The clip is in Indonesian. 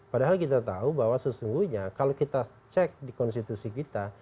padahal kita tahu bahwa sesungguhnya kalau kita cek di konstitusi kita